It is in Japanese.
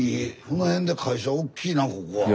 この辺で会社おっきいなここは。